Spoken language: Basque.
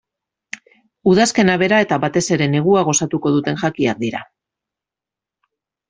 Udazkena bera eta batez ere negua gozatuko duten jakiak dira.